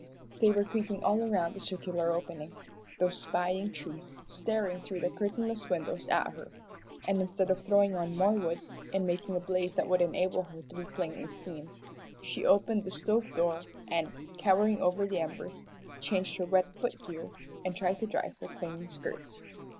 They were creaking all around the circular opening those spying trees staring through the curtainless windows at her, and instead of throwing on more wood, and making a blaze that would enable her to be plainly seen, she opened the stove door, and, cowering over the embers, changed her wet foot gear, and tried to dry her clinging skirts.